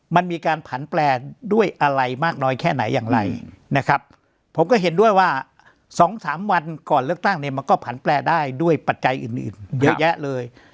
มันมีการผันแปลด้วยอะไรมากน้อยแค่ไหนอย่างไรนะครับผมก็เห็นด้วยว่า๒๓วันก่อนเลือกตั้งเนี่ยมันก็ผันแปลได้ด้วยปัจจัยอื่นเยอะแยะเลย